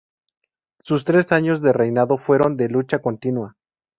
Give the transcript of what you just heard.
Sus tres años de reinado fueron de lucha continua.